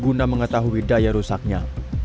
untuk mengetahui daya rusaknya